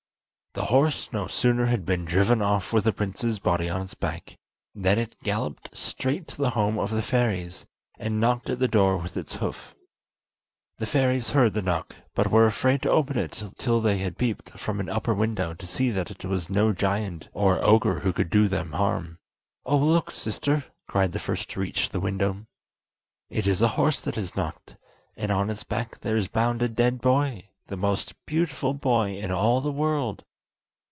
The horse no sooner had been driven off with the prince's body on its back than it galloped straight to the home of the fairies, and knocked at the door with its hoof. The fairies heard the knock, but were afraid to open till they had peeped from an upper window to see that it was no giant or ogre who could do them harm. "Oh, look, sister!" cried the first to reach the window, "it is a horse that has knocked, and on its back there is bound a dead boy, the most beautiful boy in all the world!"